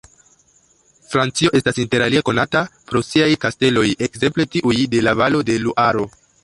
Francio estas interalie konata pro siaj kasteloj, ekzemple tiuj de la valo de Luaro.